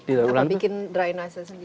apa bikin dry nasa sendiri